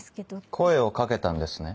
声を掛けたんですね。